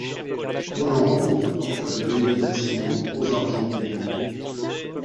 On en rencontre parfois des réalisations en bronze argenté.